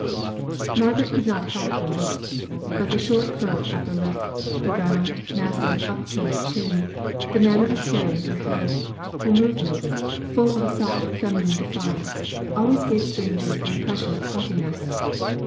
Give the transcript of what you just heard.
Margaret could not help her looks; but the short curled upper lip, the round, massive up turned chin, the manner of carrying her head, her movements, full of a soft feminine defiance, always gave strangers the impression of haughtiness.